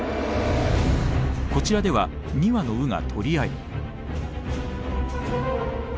こちらでは２羽のウが取り合い。